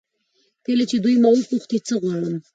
کله چې دوی ما وپوښتي څه غواړم.